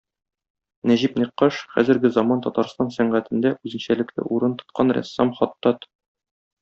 Нәҗип Нәккаш - хәзерге заман Татарстан сәнгатендә үзенчәлекле урын тоткан рәссам-хаттат.